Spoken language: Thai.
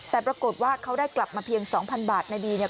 แต่ปรากฏว่าเขาได้กลับมาเพียง๒๐๐๐บาทในบีเนี่ย